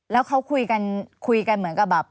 แล้วเขาคุยกันคุยกันเหมือนกับแบบ